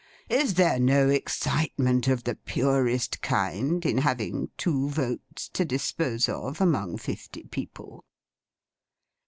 Is there no excitement of the purest kind in having two votes to dispose of among fifty people?